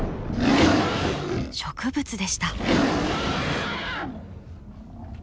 植物でした。